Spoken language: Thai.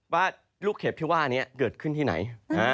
ว่าลูกเห็บที่ว่านี้เกิดขึ้นที่ไหน